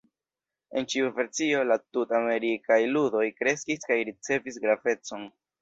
En ĉiu versio, la Tut-Amerikaj Ludoj kreskis kaj ricevis gravecon.